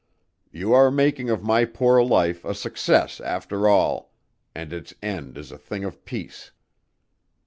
You are making of my poor life a success after all and its end is a thing of peace.